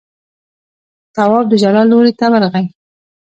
تواب د ژړا لورې ته ورغی.